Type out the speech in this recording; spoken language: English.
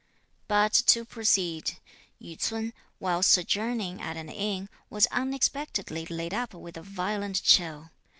But to proceed. Yü ts'un, while sojourning at an inn, was unexpectedly laid up with a violent chill.